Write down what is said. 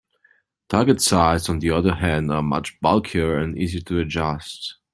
Target sights, on the other hand, are much bulkier and easier to adjust.